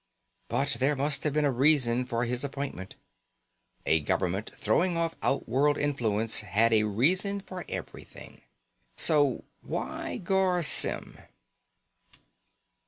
But there must have been a reason for his appointment. A government throwing off outworld influence had a reason for everything. So, why Garr Symm?